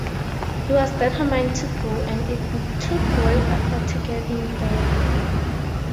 He was determined to go, and it took great effort to get him there.